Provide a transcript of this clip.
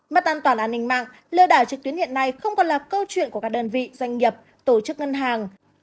mất an toàn an ninh mạng lừa đảo trực tuyến hiện nay không còn là câu chuyện của các đơn vị doanh nghiệp tổ chức ngân hàng